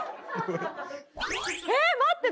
えっ待って！